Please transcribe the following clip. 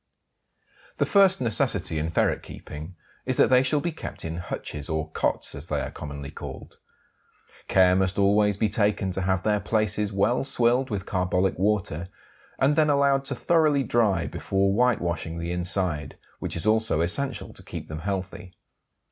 The first necessity in ferret keeping is that they shall be kept in hutches or "cotes," as they are commonly called. Care must always be taken to have their places well swilled with carbolic water, and then allowed to thoroughly dry before whitewashing the inside, which is also essential to keep them healthy.